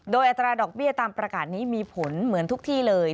โดยอัตราดอกเบี้ยตามประกาศนี้มีผลเหมือนทุกที่เลย